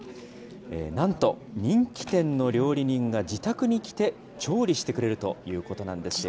なんと、人気店の料理人が自宅に来て、調理してくれるということなんですよ。